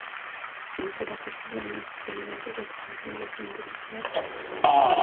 Pero a pesar de ello fue despedido antes del comienzo de la siguiente temporada.